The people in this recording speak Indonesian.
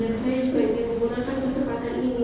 dan saya juga ingin menggunakan kesempatan ini